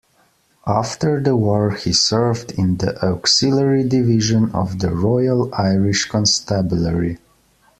After the war, he served in the Auxiliary Division of the Royal Irish Constabulary.